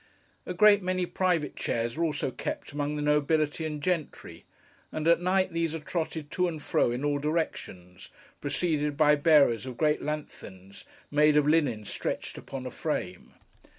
A great many private chairs are also kept among the nobility and gentry; and at night these are trotted to and fro in all directions, preceded by bearers of great lanthorns, made of linen stretched upon a frame.